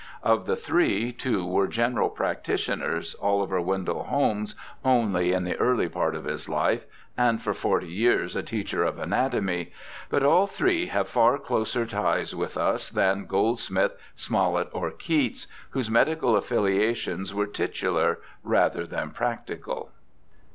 Of the three, two were general practitioners ; Oliver Wendell Holmes only in the early part of his life, and for forty years a teacher of anatomy ; but all three have far closer ties with us than Goldsmith, Smollett, or Keats, whose medical affiliations were titular rather than practical.